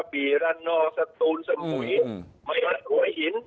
กับบีรนด์ละนอลสะตุลสมุยมาหรือเป็นตรงไอ้หิน